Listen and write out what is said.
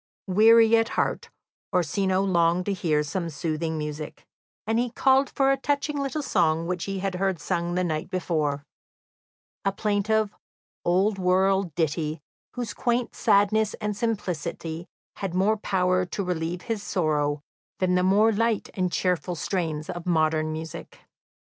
Weary at heart, Orsino longed to hear some soothing music, and he called for a touching little song which he had heard sung the night before a plaintive, old world ditty, whose quaint sadness and simplicity had more power to relieve his sorrow than the more light and cheerful strains of modern music.